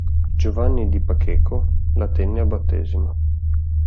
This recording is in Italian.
Giovanni di Pacheco la tenne a battesimo.